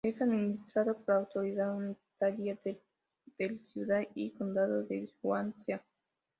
Es administrado por la autoridad unitaria del Ciudad y condado de Swansea.